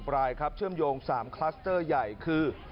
รายครับเชื่อมโยง๓คลัสเตอร์ใหญ่คือ